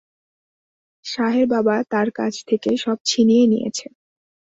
শাহের বাবা তার কাছ থেকে সব ছিনিয়ে নিয়েছে।